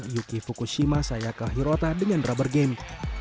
yuki fukushima sayaka hirota dengan rubber game